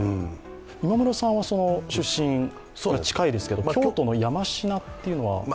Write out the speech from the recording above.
今村さんは出身、近いですけれども京都の山科というのは？